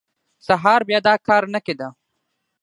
سهار بیا دا کار نه کېده.